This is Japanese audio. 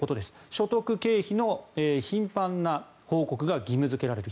所得・経費の頻繁な報告が義務付けられる。